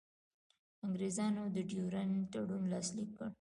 انګرېزانو د ډیورنډ تړون لاسلیک کړ.